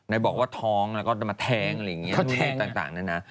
บอกว่าท้องแล้วก็จะมาแท้งอะไรอย่างนี้มาแทงต่างนะนะ